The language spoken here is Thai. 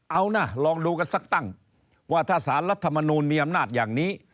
เอานะลองดูกันสักตั้งว่าถ้าสารรัฐมนูลมีอำนาจอย่างนี้